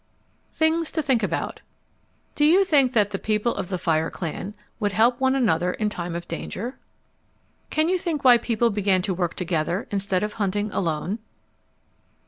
THINGS TO THINK ABOUT Do you think that the people of the fire clan would help one another in time of danger? Can you think why people began to work together instead of hunting alone?